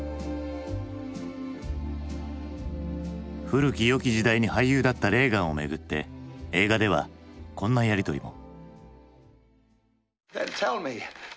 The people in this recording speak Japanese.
古き良き時代に俳優だったレーガンをめぐって映画ではこんなやりとりも。